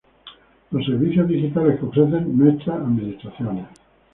Los servicios digitales que ofrecen nuestras administraciones